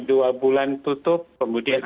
dua bulan tutup kemudian